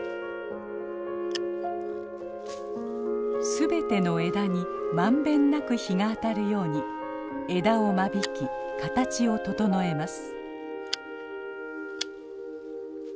すべての枝にまんべんなく日が当たるように枝を間引き形を整えます。